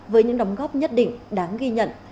với những đóng góp nhất định đáng ghi nhận